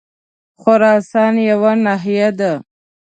خراسان یوه ناحیه ده.